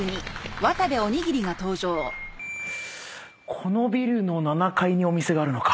このビルの７階にお店があるのか。